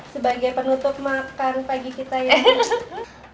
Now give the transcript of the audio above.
sebagai penutup makan pagi kita ya